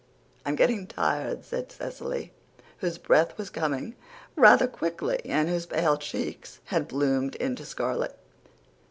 "I'm getting tired," said Cecily, whose breath was coming rather quickly and whose pale cheeks had bloomed into scarlet.